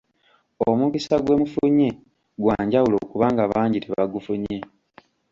Omukisa gwe mufunye gwa njawulo kubanga bangi tebagufunye.